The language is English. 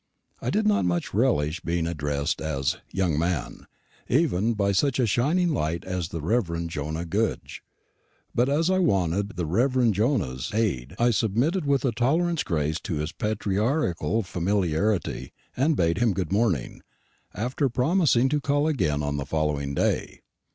I did not much relish being addressed as "young man," even by such a shining light as the Rev. Jonah Goodge. But as I wanted the Rev. Jonah's aid, I submitted with a tolerable grace to his patriarchal familiarity, and bade him good morning, after promising to call again on the following day.